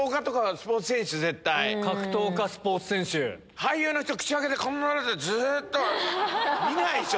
俳優の人口開けてこんななってずっと見ないでしょ